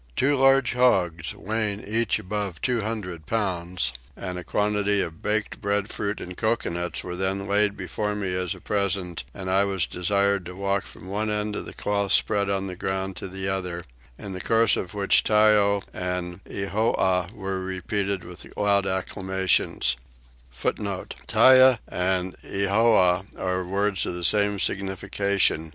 Two large hogs, weighing each above two hundred pounds, and a quantity of baked breadfruit and coconuts were then laid before me as a present, and I was desired to walk from one end of the cloth spread on the ground to the other, in the course of which Tyo and Ehoah* were repeated with loud acclamations.